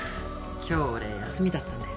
今日俺休みだったんで。